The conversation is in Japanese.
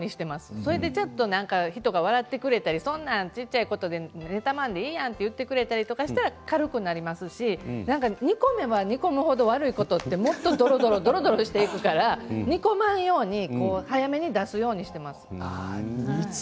それでちょっと人が笑ってくれたりそういう小さいことで妬まんでええやんって言ってくれたりしたら軽くなりますし煮込めば煮込む程もっと悪いことはどろどろするから煮込まんように早めに出すようにしています。